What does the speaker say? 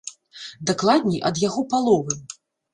Дакладней, ад яго паловы!